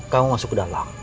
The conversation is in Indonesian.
kamu masuk ke dalam